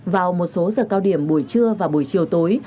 vào một số giờ cao điểm buổi trưa và buổi chiều tối